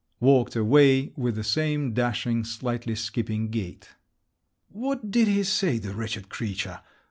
—walked away with the same dashing, slightly skipping gait. "What did he say, the wretched creature?"